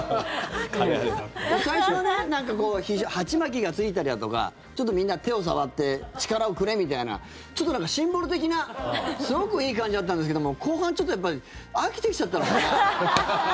最初はね、なんかこう鉢巻きがついたりだとかちょっとみんな手を触って力をくれみたいな何かシンボル的なすごくいい感じだったんですけど後半、ちょっとやっぱり飽きてきちゃったのかな。